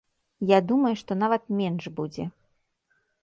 Я думаю, што нават менш будзе.